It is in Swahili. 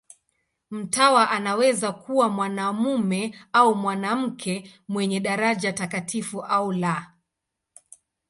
Mtawa anaweza kuwa mwanamume au mwanamke, mwenye daraja takatifu au la.